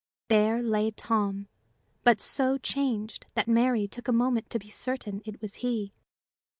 There lay Tom, but so changed that Mary took a moment to be certain it was he.